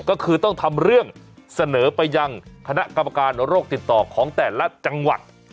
ก็คือต้องทำเรื่องเสนอไปยังคณะกรรมการโรคติดต่อของแต่ละจังหวัด